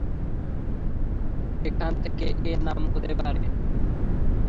এখান থেকে এ নাম হতে পারে।